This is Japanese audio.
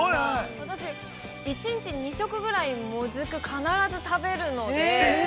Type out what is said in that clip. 私、１日２食ぐらいモズク、必ず食べるので。